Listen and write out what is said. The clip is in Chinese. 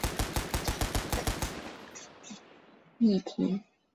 掌握科技新兴议题